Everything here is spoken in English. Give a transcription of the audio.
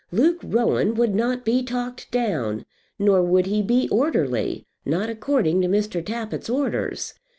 Luke Rowan would not be talked down, nor would he be orderly, not according to Mr. Tappitt's orders.